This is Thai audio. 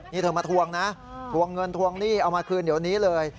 นี่เธอมาทวงนะทวงเงินทวงหนี้เอามาคืนเดี๋ยวนี้เลย